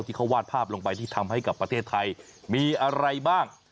ที่เขาวาดภาพลงไปที่ทำให้กับประเทศไทยมีอะไรบ้าง